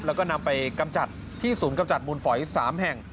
แล้วก็นำไปกำจัดที่ศูนย์กำจัดมูลฝอย๓แห่ง